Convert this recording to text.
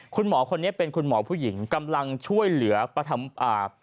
คุณหมอคนนี้เป็นคุณหมอผู้หญิงกำลังช่วยเหลือประทำอ่า